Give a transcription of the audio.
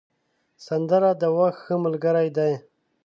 سندره د وخت ښه ملګرې ده